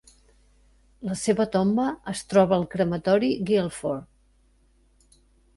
La seva tomba es troba al crematori Guildford.